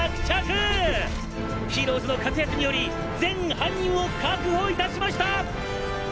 ヒーローズの活躍により全犯人を確保いたしました！！」